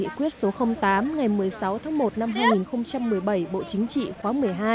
điều này được hoàn thành bằng nghị quyết số tám ngày một mươi sáu tháng một năm hai nghìn một mươi bảy bộ chính trị khóa một mươi hai